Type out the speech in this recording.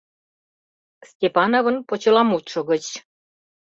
Степановын почеламутшо гыч.